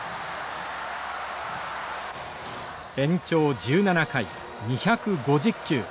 延長１７回２５０球。